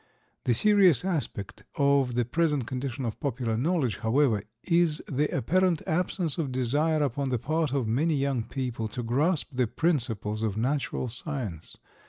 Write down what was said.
The serious aspect of the present condition of popular knowledge, however, is the apparent absence of desire upon the part of many young people to grasp the principles of natural science.